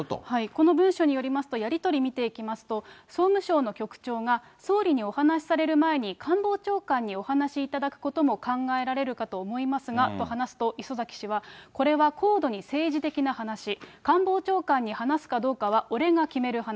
この文書によりますと、やり取り見ていきますと、総務省の局長が、総理にお話される前に、官房長官にお話しいただくことも考えられるかと思いますがと話すと、礒崎氏は、これは高度に政治的な話、官房長官に話すかどうかは俺が決める話。